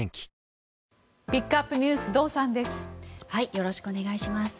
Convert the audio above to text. よろしくお願いします。